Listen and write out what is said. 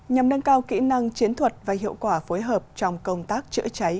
nhằm nâng cao kỹ năng chiến thuật và hiệu quả phối hợp trong công tác chữa cháy